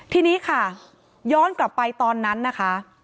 ทีนี้ค่ะย้อนกลับไปตอนนั้นนะคะ